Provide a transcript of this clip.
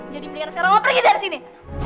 jadi pilihan sekarang lo pergi dari sini